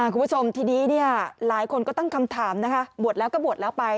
คุณผู้ชมทีนี้หลายคนก็ตั้งคำถามนะคะบวชแล้วก็บวชแล้วไป